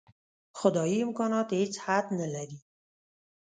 خدايي امکانات هېڅ حد نه لري.